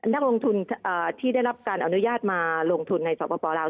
นักลงทุนที่ได้รับการอนุญาตมาลงทุนในสปลาว